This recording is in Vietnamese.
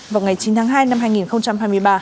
vào ngày chín tháng hai năm hai nghìn hai mươi ba